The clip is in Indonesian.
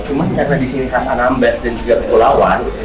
cuma karena disini khas anambas dan juga kekulauan